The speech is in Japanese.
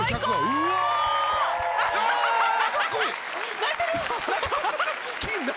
泣いてる！？